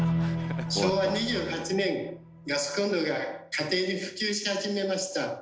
昭和２８年ガスコンロが家庭に普及し始めました。